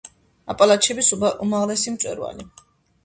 აპალაჩების უმაღლესი მწვერვალი.